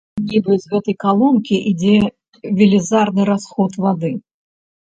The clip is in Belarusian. Нібы з гэтай калонкі ідзе велізарны расход вады.